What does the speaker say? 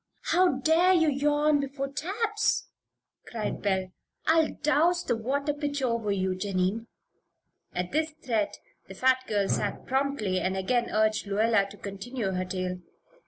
"How dare you yawn before 'taps'?" cried Belle. "I'll douse the water pitcher over you, Jennie." At this threat the fat girl sat up promptly and again urged Lluella to continue her tale.